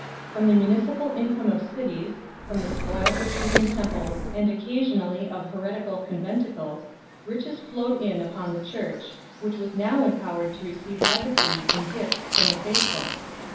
From the municipal income of cities, from the spoils of heathen temples and occasionally of heretical con venticles, riches flowed in upon the Church 9 , which was now empowered to receive legacies and gifts from the faithful.